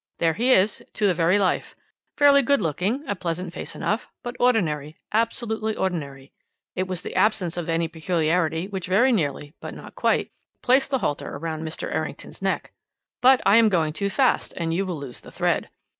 "There he is, to the very life. Fairly good looking, a pleasant face enough, but ordinary, absolutely ordinary. "It was this absence of any peculiarity which very nearly, but not quite, placed the halter round Mr. Errington's neck. "But I am going too fast, and you will lose the thread.